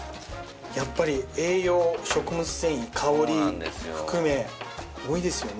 やっぱり栄養食物繊維香り含めそうなんですよ多いですよね